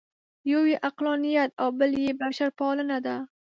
یو یې عقلانیت او بل یې بشرپالنه ده.